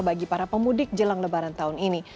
bagi para pemudik jelang lebaran tahun ini